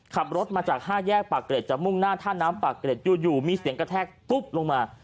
ขับรถมาจาก๕แยกปากเกร็ดจะมุ่งหน้าท่าน้ำปากเกร็ดอยู่มีเสียงกระแทกตุ๊บลงมา